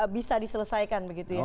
bisa diselesaikan begitu ya